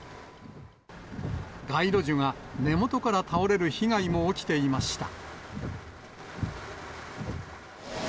街路樹が根元から倒れる被害も起きていました。